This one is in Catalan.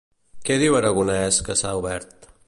Què diu Aragonès que s'ha obert?